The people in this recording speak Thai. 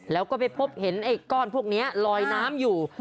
แล้วก็ไปพบเห็นไอ้ก้อนพวกนี้ลอยน้ำอยู่